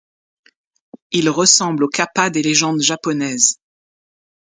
Il ressemble aux Kappa des légendes japonaises.